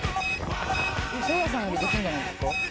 「せいやさんよりできるんじゃないですか？」